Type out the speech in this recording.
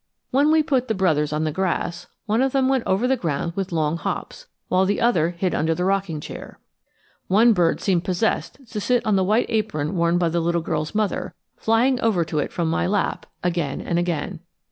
When we put the brothers on the grass, one of them went over the ground with long hops, while the other hid under the rocking chair. One bird seemed possessed to sit on the white apron worn by the little girl's mother, flying over to it from my lap, again and again.